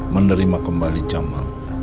menerima kembali jamal